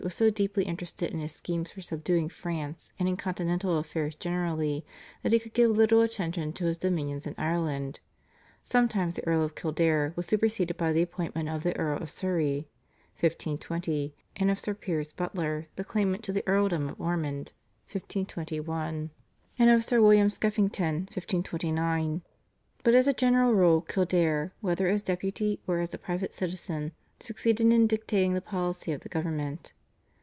was so deeply interested in his schemes for subduing France and in continental affairs generally that he could give little attention to his dominions in Ireland. Sometimes the Earl of Kildare was superseded by the appointment of the Earl of Surrey (1520), and of Sir Piers Butler, the claimant to the Earldom of Ormond (1521), and of Sir William Skeffington (1529), but as a general rule Kildare, whether as Deputy or as a private citizen, succeeded in dictating the policy of the government.